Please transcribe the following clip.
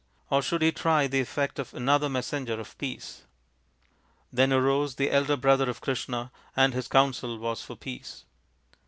Or should he try the effect of another messenger of peace ? Then arose the elder brother of Krishna, and his counsel was for peace.